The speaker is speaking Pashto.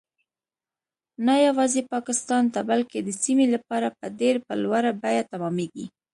نه یوازې پاکستان ته بلکې د سیمې لپاره به ډیر په لوړه بیه تمامیږي